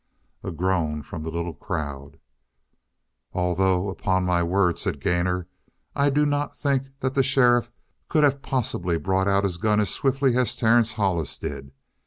A groan from the little crowd. "Although, upon my word," said Gainor, "I do not think that the sheriff could have possibly brought out his gun as swiftly as Terence Hollis did.